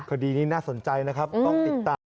คดีนี้น่าสนใจนะครับต้องติดตาม